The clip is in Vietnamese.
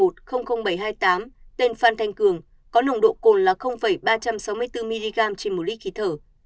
tên phan thanh cường có nồng độ cồn là ba trăm sáu mươi bốn mg trên một lít khí thở